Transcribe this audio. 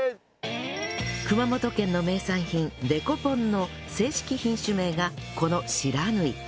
熊本県の名産品デコポンの正式品種名がこの不知火